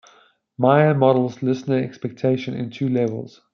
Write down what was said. Meyer models listener expectation in two levels.